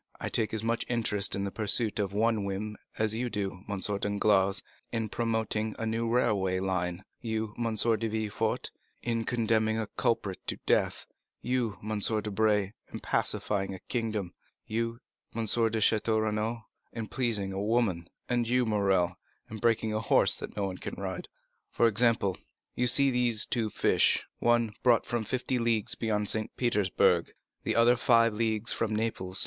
I take as much interest in the pursuit of some whim as you do, M. Danglars, in promoting a new railway line; you, M. de Villefort, in condemning a culprit to death; you, M. Debray, in pacifying a kingdom; you, M. de Château Renaud, in pleasing a woman; and you, Morrel, in breaking a horse that no one can ride. For example, you see these two fish; one brought from fifty leagues beyond St. Petersburg, the other five leagues from Naples.